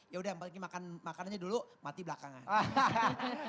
ya udah makan makanannya dulu mati belakangan